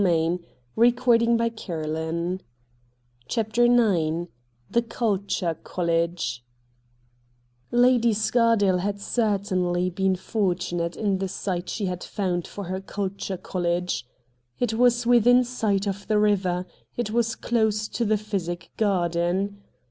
174 RED DIAMONDS CHAPTEE IX THE CULTURE COLLEGE Lady Scaedale had certainly been fortunate in the site she had found for her Culture College. It was within sight of the river ; it was close to the Physic Garden.